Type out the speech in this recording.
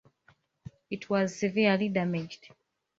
It was severely damaged.